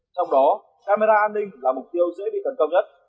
trong đó camera an ninh là mục tiêu dễ bị tấn công nhất